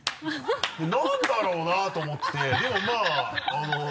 何だろうな？と思ってでもまぁ。